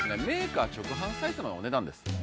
メーカー直販サイトのお値段です